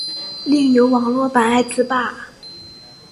另有网络版爱词霸。